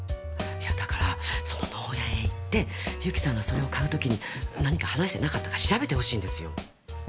いやだからその農園へ行って友紀さんがそれを買う時に何か話してなかったか調べてほしいんですよ